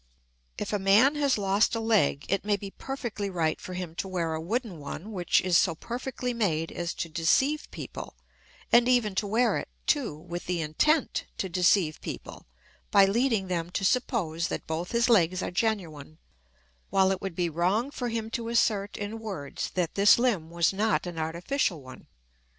If a man has lost a leg, it may be perfectly right for him to wear a wooden one which is so perfectly made as to deceive people and even to wear it, too, with the intent to deceive people by leading them to suppose that both his legs are genuine while it would be wrong; for him to assert in words that this limb was not an artificial one.